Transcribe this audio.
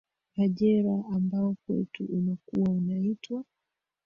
kajera ambao kwetu unakuwa unaitwa